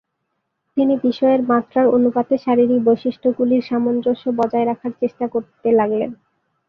তিনি বিষয়ের মাত্রার অনুপাতে শারীরিক বৈশিষ্ট্যগুলির সামঞ্জস্য বজায় রাখা চেষ্টা করতে লাগলেন।